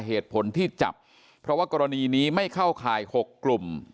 เหตุผลที่จับเพราะว่ากรณีนี้ไม่เข้าข่าย๖กลุ่ม